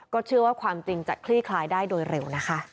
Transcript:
เชื่อว่าความจริงจะคลี่คลายได้โดยเร็วนะคะ